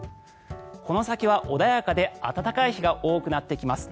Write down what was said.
この先は穏やかで暖かい日が多くなってきます。